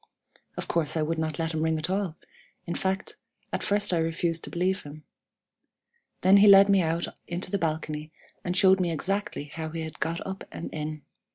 Of course I would not let him ring at all; in fact, at first I refused to believe him. Then he led me out into the balcony, and showed me exactly how he had got up and in.